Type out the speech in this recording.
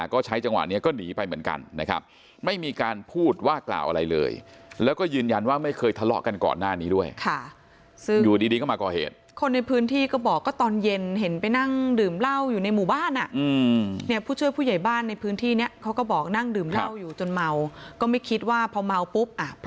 ก็ใช้จังหวะนี้ก็หนีไปเหมือนกันนะครับไม่มีการพูดว่ากล่าวอะไรเลยแล้วก็ยืนยันว่าไม่เคยทะเลาะกันก่อนหน้านี้ด้วยค่ะซึ่งอยู่ดีดีก็มาก่อเหตุคนในพื้นที่ก็บอกก็ตอนเย็นเห็นไปนั่งดื่มเหล้าอยู่ในหมู่บ้านอ่ะอืมเนี่ยผู้ช่วยผู้ใหญ่บ้านในพื้นที่เนี้ยเขาก็บอกนั่งดื่มเหล้าอยู่จนเมาก็ไม่คิดว่าพอเมาปุ๊บอ่ะ